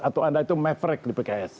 atau anda itu maverack di pks